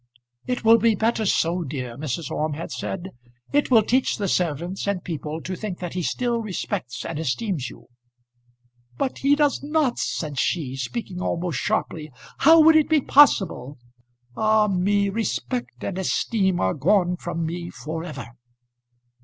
"It will be better so, dear," Mrs. Orme had said. "It will teach the servants and people to think that he still respects and esteems you." "But he does not!" said she, speaking almost sharply. "How would it be possible? Ah, me respect and esteem are gone from me for ever!"